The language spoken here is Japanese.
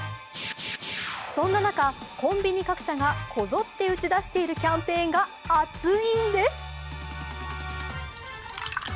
そんな中、コンビニ各社がこぞって打ち出しているキャンペーンが熱いんです。